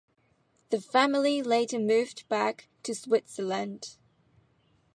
The family later moved back to Switzerland.